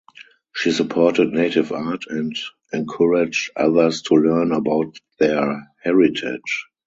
She supported native art and encouraged others to learn about their heritage.